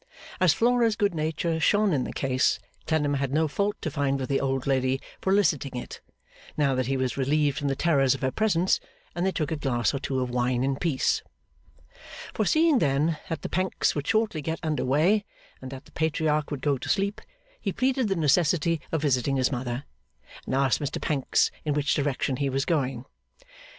As Flora's good nature shone in the case, Clennam had no fault to find with the old lady for eliciting it, now that he was relieved from the terrors of her presence; and they took a glass or two of wine in peace. Foreseeing then that the Pancks would shortly get under weigh, and that the Patriarch would go to sleep, he pleaded the necessity of visiting his mother, and asked Mr Pancks in which direction he was going?